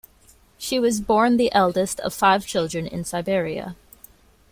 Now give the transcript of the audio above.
She was born the eldest of five children in Siberia.